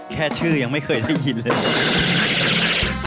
แค่ชื่อยังไม่เคยได้ยินเลยเหรอ